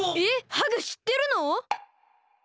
ハグしってるの？